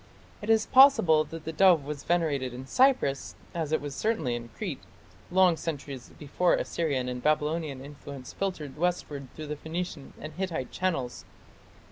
It is possible that the dove was venerated in Cyprus, as it certainly was in Crete, long centuries before Assyrian and Babylonian influence filtered westward through Phoenician and Hittite channels.